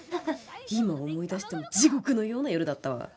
今思い出しても地獄のような夜だったわ。